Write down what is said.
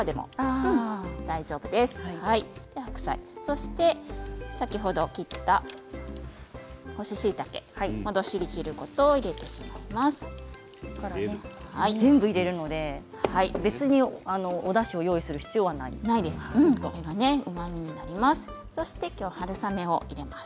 全部入れるので別におだしを用意する必要はこれがうまみになります。